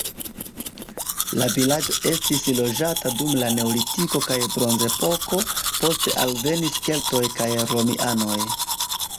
La vilaĝo estis loĝata dum la neolitiko kaj bronzepoko, poste alvenis keltoj kaj romianoj.